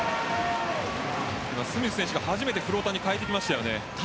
スミス選手が初めてフローターに代えてきました。